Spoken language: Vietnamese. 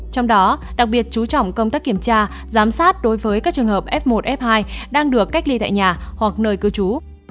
trong đó đặc biệt chú trọng công tác kiểm tra giám sát đối với các trường hợp f một f hai đang được cách ly tại nhà hoặc nơi cư trú